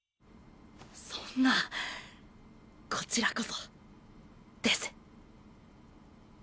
そんなこちらこそです。